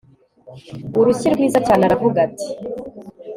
urushyi rwiza cyane aravuga ati